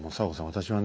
私はね